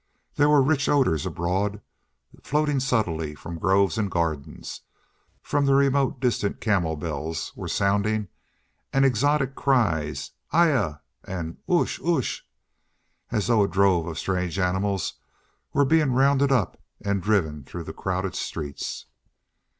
There were rich odors abroad, floating subtly from groves and gardens; from the remote distance camel bells were sounding and exotic cries, "Ayah!" and "oosh! oosh!" as though a drove of strange animals were being rounded up and driven through the crowded streets.